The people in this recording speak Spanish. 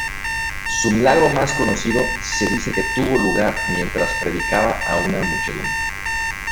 Su milagro más conocido se dice que tuvo lugar mientras predicaba a una muchedumbre.